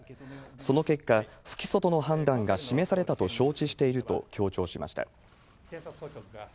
その結果、不起訴との判断が示されたと承知していると強調しました。